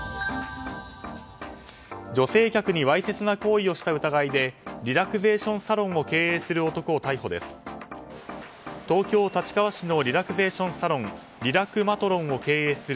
女性客にわいせつな行為をした疑いでリラクゼーションサロンを経営する男を逮捕です。